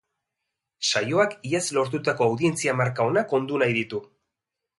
Saioak iaz lortutako audientzia marka onak ondu nahi ditu.